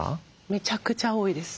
めちゃくちゃ多いです。